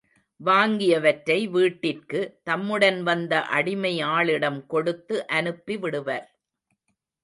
வாங்கியவற்றை வீட்டிற்கு தம்முடன் வந்த அடிமை ஆளிடம் கொடுத்து அனுப்பி விடுவர்.